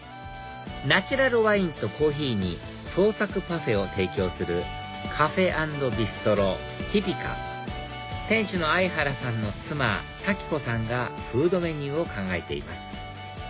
ナチュラルワインとコーヒーに創作パフェを提供するカフェ＆ビストロＴｙｐｉｃａ店主の相原さんの妻沙季子さんがフードメニューを考えています